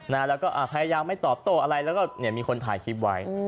แล้วก็พยายามไม่ตอบโต้อะไรแล้วก็เนี่ยมีคนถ่ายคลิปไว้